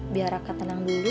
biar raka tenang dulu